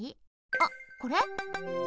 あっこれ？